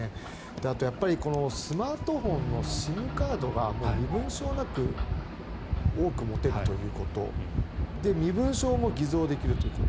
あとはスマートフォンのＳＩＭカードが身分証なく多く持てるということで、身分証も偽造できるということ。